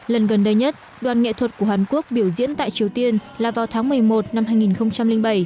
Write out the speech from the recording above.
lần gần đây nhất đoàn nghệ thuật của hàn quốc biểu diễn tại triều tiên là vào tháng một mươi một năm hai nghìn bảy